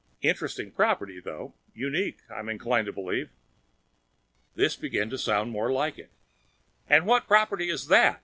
Interesting property, though. Unique, I am inclined to believe." This began to sound more like it. "And what property is that?"